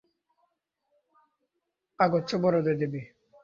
আগচ্ছ বরদে দেবি!